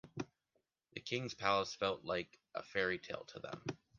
The king's palace felt like a fairytale to them.